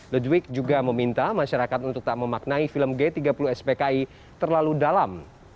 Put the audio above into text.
ludwig juga meminta masyarakat untuk tak memaknai film g tiga puluh spki terlalu dalam